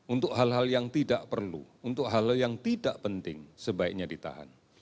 untuk hal hal yang tidak perlu untuk hal hal yang tidak penting sebaiknya ditahan